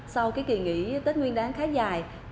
sau cái kỳ nghỉ tết nguyên đáng khá dài